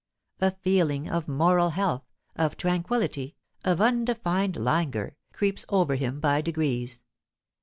A feeling of moral health, of tranquillity, of undefined languor, creeps over him by degrees.